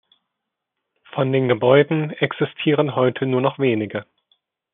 Von den Gebäuden existieren heute nur noch wenige.